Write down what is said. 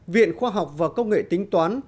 viện khoa học và công nghệ tính toán